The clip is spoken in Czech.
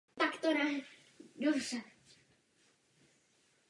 Proto se někdy chovají na farmách.